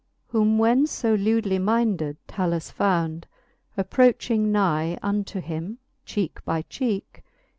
Whom when (o lewdly minded 7alus found, Approching nigh unto him cheeke by cheeke.